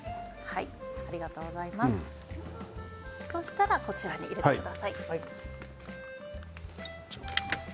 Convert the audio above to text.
そしたらこちらに入れてください。